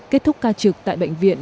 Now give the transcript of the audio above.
kết thúc ca trực tại bệnh viện